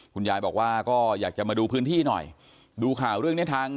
คุณยายบอกว่าก็อยากจะมาดูพื้นที่หน่อยดูข่าวเรื่องเนี้ยทาง